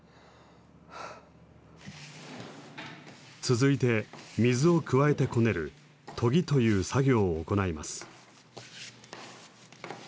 続いて水を加えてこねる研ぎという作業を行います。